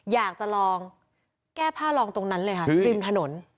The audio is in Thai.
อยากจะลองแก้ผ้าลองตรงนั้นเลยค่ะริมถนน